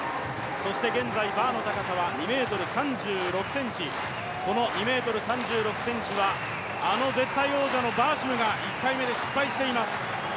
そして現在バーの高さは２ｍ３６ｃｍ、これはあの絶対王者のバーシムが１回目で失敗しています。